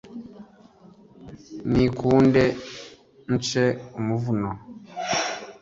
Nikunde nce umuvuno